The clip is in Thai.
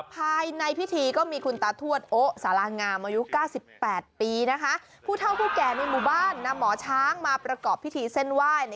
ภายในพิธีก็มีคุณตาทวดโอ๊สารางามอายุ๙๘ปีผู้เท่าผู้แก่ในหมู่บ้านนำหมอช้างมาประกอบพิธีเส้นไหว้